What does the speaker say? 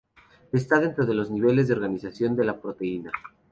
Está dentro de los niveles de organización de la proteína.